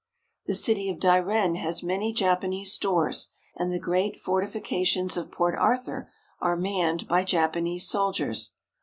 The city of Dairen has many Japanese stores, and the great fortifications of Port Arthur are manned by Japanese soldiers.